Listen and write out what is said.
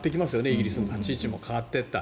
イギリスの立ち位置も変わっていった。